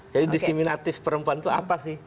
jadi diskriminatif perempuan itu apa sih